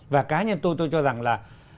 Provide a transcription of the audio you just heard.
và cá nhân tôi tôi cho rằng là